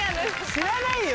知らないよ